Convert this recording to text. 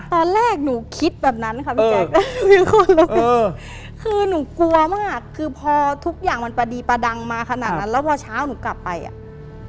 ตอนแรกหนูคิดแบบนั้นค่ะพี่แจ๊คยังกลัวเลยคือหนูกลัวมากคือพอทุกอย่างมันประดีประดังมาขนาดนั้นแล้วพอเช้าหนูกลับไปอ่ะ